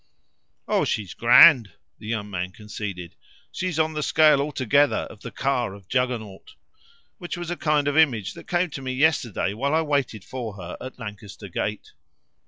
"Oh she's grand," the young man allowed; "she's on the scale altogether of the car of Juggernaut which was a kind of image that came to me yesterday while I waited for her at Lancaster Gate.